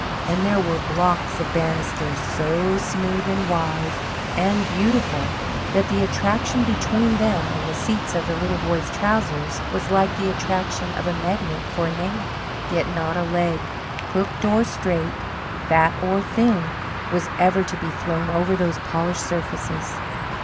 And there were blocks of banisters so smooth and wide and beautiful that the attraction between them and the seats of the little boy's trousers was like the attraction of a magnet for a nail. Yet not a leg, crooked or straight, fat or thin, was ever to be thrown over these polished surfaces!